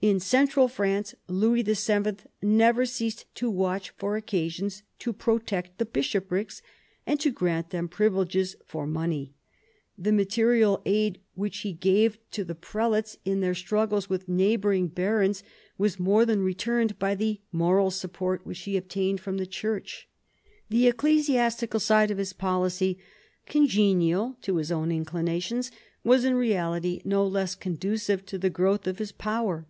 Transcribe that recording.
In central France Louis VII. never ceased to watch for occasions to protect the bishoprics and to grant them privileges for money. The material aid which he gave to the prelates in their struggles with neighbouring barons was more than returned by the moral support which he obtained from the Church. The ecclesiastical side of his policy, congenial to his own inclinations, was in reality no less conducive to the growth of his power.